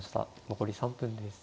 残り３分です。